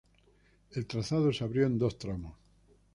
El trazado se abrió en dos tramos.